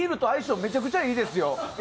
めちゃくちゃいいですよ。